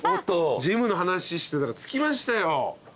ジムの話してたら着きましたよ。